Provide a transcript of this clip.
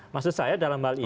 maksud saya dalam hal ini